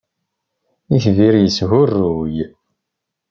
Itbir yeshuruy